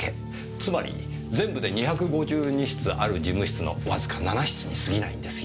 つまり全部で２５２室ある事務室のわずか７室に過ぎないんですよ。